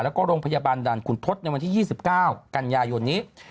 แล้วก็โรงพยาบาลด่านขุนทศในวันที่๒๙กันยายนนี้